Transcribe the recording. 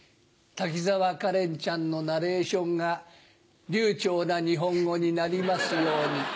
滝沢カレンちゃんのナレーションが流ちょうな日本語になりますように。